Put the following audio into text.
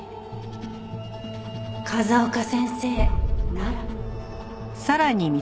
風丘先生なら。